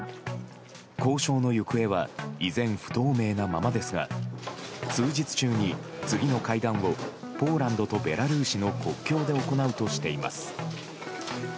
交渉の行方は依然、不透明なままですが数日中に次の会談をポーランドとベラルーシの国境で行うとしています。